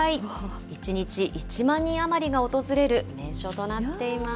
１日１万人余りが訪れる名所となっています。